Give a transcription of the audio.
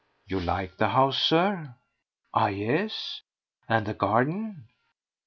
You like the house, Sir? Ah, yes! And the garden? .